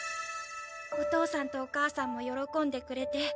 お父さんとお母さんも喜んでくれて。